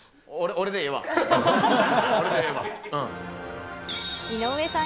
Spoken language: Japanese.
俺でええわ、うん。